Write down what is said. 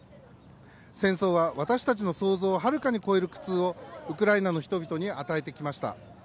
戦争は私たちの想像をはるかに超える苦痛をウクライナの人々に与えてきました。